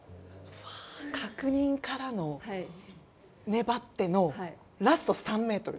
確認からの、粘ってのラスト３ｍ。